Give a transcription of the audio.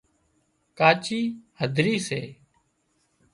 ڪاچي هڌرِي سي